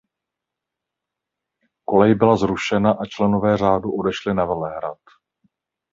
Kolej byla zrušena a členové řádu odešli na Velehrad.